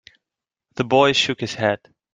The boy shook his head.